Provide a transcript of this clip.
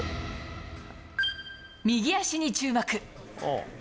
右足に注目。